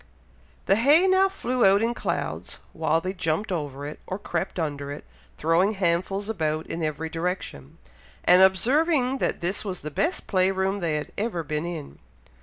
The hay now flew about in clouds, while they jumped over it, or crept under it, throwing handfuls about in every direction, and observing that this was the best play room they had ever been in.